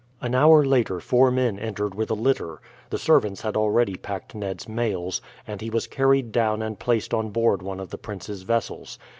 An hour later four men entered with a litter; the servants had already packed Ned's mails, and he was carried down and placed on board one of the prince's vessels.